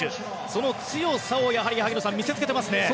その強さを見せつけていますね。